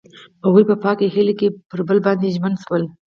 هغوی په پاک هیلې کې پر بل باندې ژمن شول.